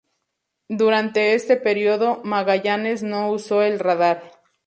Durante este periodo, Magallanes no usó el radar.